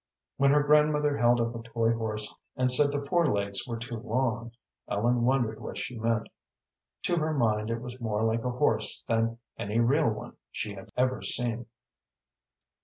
When her grandmother held up a toy horse and said the fore legs were too long, Ellen wondered what she meant. To her mind it was more like a horse than any real one she had ever seen.